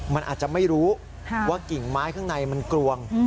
มันอาจจะไม่รู้ว่ากิ่งไม้ข้างในมันกลวง